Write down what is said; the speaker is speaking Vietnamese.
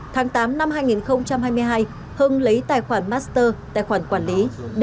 tháng tám năm hai nghìn hai mươi hai hưng lấy tài khoản master tài khoản quản lý